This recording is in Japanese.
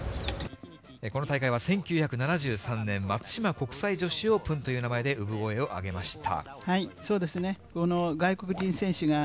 この大会は、１９７３年、松島国際女子オープンという名前で産声を上げました。